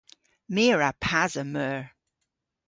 My a wra pasa meur.